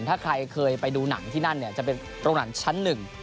ถ้าใครเคยไปดูหนังที่นั่นเนี่ยจะเป็นโรงหนังชั้นหนึ่ง